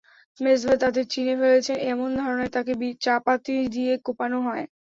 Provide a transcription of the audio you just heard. মেজবাহ তাঁদের চিনে ফেলেছেন, এমন ধারণায় তাঁকে চাপাতি দিয়ে কোপানো হয়।